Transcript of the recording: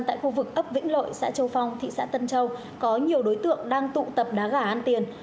tại khu vực ấp vĩnh lợi xã châu phong thị xã tân châu có nhiều đối tượng đang tụ tập đá gà ăn tiền